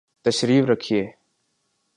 تشریف رکھئے